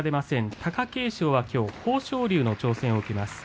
貴景勝は豊昇龍の挑戦を受けます。